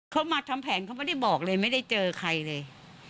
เขามาทำแผนเขาไม่ได้บอกเลยไม่ได้เจอใครเลย